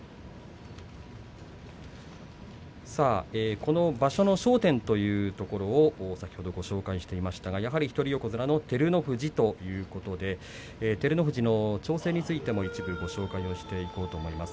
この場所の焦点というところ先ほどご紹介していましたが一人横綱の照ノ富士ということで照ノ富士の挑戦についても一部紹介していきます。